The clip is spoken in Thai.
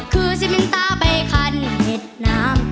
คือสิมินตาใบคันเห็ดน้ำ